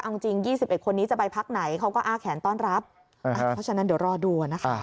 เอาจริง๒๑คนนี้จะไปพักไหนเขาก็อ้าแขนต้อนรับเพราะฉะนั้นเดี๋ยวรอดูนะคะ